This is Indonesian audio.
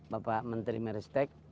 bapak menteri meristek